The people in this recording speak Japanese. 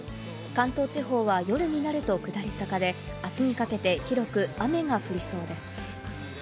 関東地方は夜になると下り坂で、あすにかけて広く雨が降りそうです。